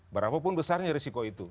berapa pun besarnya resiko itu